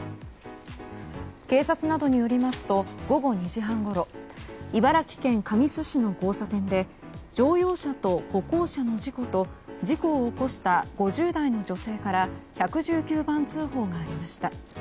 警察などによりますと午後２時半ごろ茨城県神栖市の交差点で乗用車と歩行者の事故と事故を起こした５０代の女性から１１９番通報がありました。